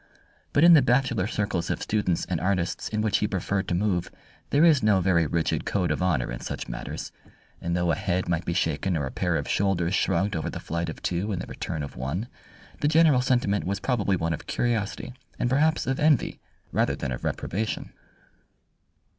But in the bachelor circles of students and artists in which he preferred to move there is no very rigid code of honour in such matters, and though a head might be shaken or a pair of shoulders shrugged over the flight of two and the return of one, the general sentiment was probably one of curiosity and perhaps of envy rather than of reprobation.